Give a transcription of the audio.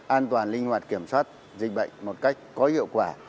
an toàn linh hoạt kiểm soát dịch bệnh một cách có hiệu quả